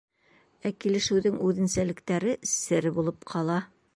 Ә килешеүҙең үҙенсәлектәре сер булып ҡала.